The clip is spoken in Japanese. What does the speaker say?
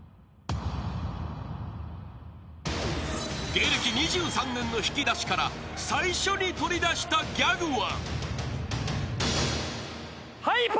［芸歴２３年の引き出しから最初に取り出したギャグは］